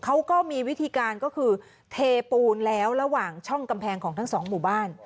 เขาก็มีวิธีการก็คือเทปูนแล้วระหว่างช่องกำแพงของทั้งสองหมู่บ้าน